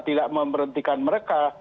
tidak memerhentikan mereka